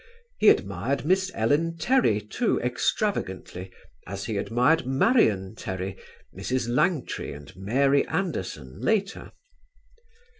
He admired Miss Ellen Terry, too, extravagantly, as he admired Marion Terry, Mrs. Langtry, and Mary Anderson later.